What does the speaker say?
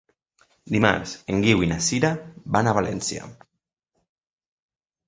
Dimarts en Guiu i na Sira van a València.